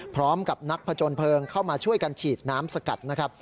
พร้อมกับนักผจญเพลิงเข้ามาช่วยกันฉีดน้ำสกัดนะครับ